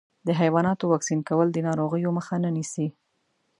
د حيواناتو واکسین کول د ناروغیو مخه نیسي.